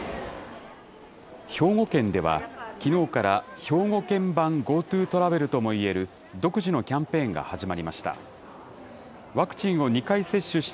兵庫県では、きのうから兵庫県版ＧｏＴｏトラベルともいえる独自のキャンペーンが始まりました。